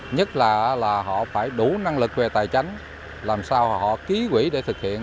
nhất là là họ phải đủ năng lực về tài chánh làm sao họ ký quỷ để thực hiện